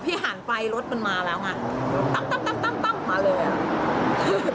พอพี่หารไฟรถมันมาแล้วไงตั้งตั้งตั้งตั้งตั้งมาเลยอ่ะ